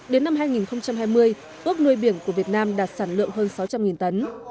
đến năm hai nghìn hai mươi ước nuôi biển của việt nam đạt sản lượng hơn sáu trăm linh tấn